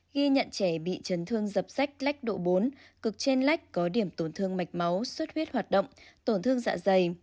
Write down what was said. ghi nhận trẻ bị chấn thương dập sách lách độ bốn cực trên lách có điểm tổn thương mạch máu suất huyết hoạt động tổn thương dạ dày